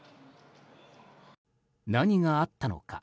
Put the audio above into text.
何があったのか。